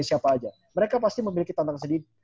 siapa aja mereka pasti memiliki tantangan sendiri